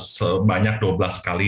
sebanyak dua belas kali